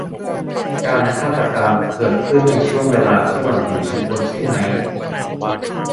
การฆาตกรรมเกิดขึ้นในช่วงเวลาที่หล่อนอยู่ชั้นบนใช่มั้ย